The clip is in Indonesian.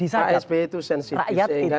sensitif sehingga ketika